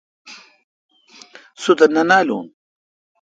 سو تہ نہ نالوں۔